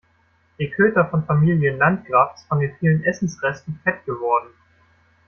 Der Köter von Familie Landgraf ist von den vielen Essensresten fett geworden.